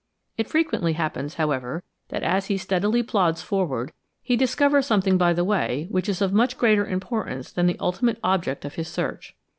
It frequently happens, however, that as he steadily plods forward he discovers something by the way which is of much greater importance than the ultimate object of his search.